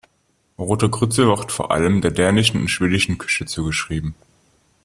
Rote Grütze wird vor allem der dänischen und schwedischen Küche zugeschrieben.